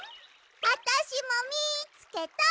あたしもみつけた！